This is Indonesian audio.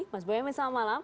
mas boyamin selamat malam